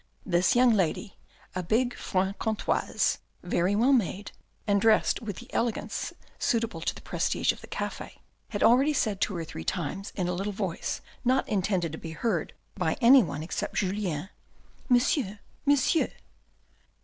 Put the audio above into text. This young lady, a big Franc comtoise, very well made, and dressed with the elegance suitable to the prestige of the cafe, had already said two or three times in a little voice not in tended to be heard by any one except Julien, " Monsieur, Monsieur."